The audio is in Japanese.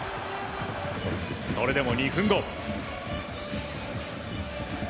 それでも、２分後。